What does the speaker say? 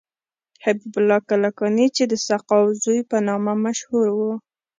حبیب الله کلکانی چې د سقاو زوی په نامه مشهور و.